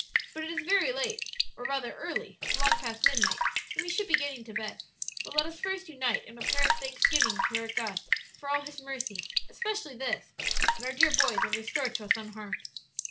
"But it is very late, or rather early long past midnight and we should be getting to bed. But let us first unite in a prayer of thanksgiving to our God for all His mercies, especially this that our dear boys are restored to us unharmed."